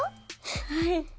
・はい。